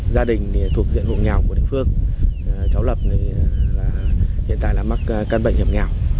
gia đình thì thuộc diện vụ nghèo của định phương cháu lập thì hiện tại là mắc căn bệnh hiểm nghèo